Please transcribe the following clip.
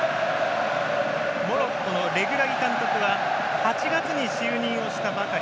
モロッコのレグラギ監督は８月に就任したばかり。